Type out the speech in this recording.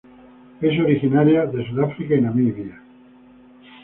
Es originaria de Sudáfrica y Namibia.